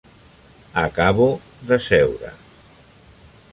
Acabo de seure.